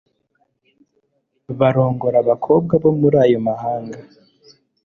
barongora abakobwa bo muri ayo mahanga